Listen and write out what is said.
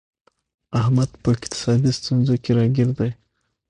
احمد په اقتصادي ستونزو کې راگیر دی